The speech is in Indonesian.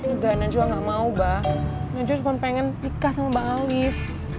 udah najwa gak mau abah najwa cuma pengen nikah sama bang alif